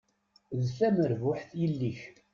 D tamerbuḥt yelli-k.